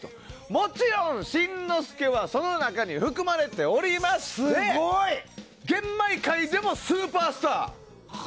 もちろん、新之助はその中にも含まれておりまして玄米界でもスーパースター。